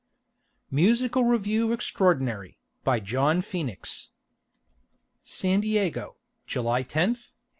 MUSICAL REVIEW EXTRAORDINARY BY JOHN PHOENIX SAN DIEGO, July 10th, 1854.